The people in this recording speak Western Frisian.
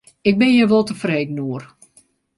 Ik bin hjir wol tefreden oer.